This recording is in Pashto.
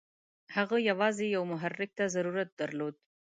هغه یوازې یوه محرک ته ضرورت درلود.